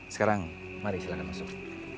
sekarang mari silahkan masuk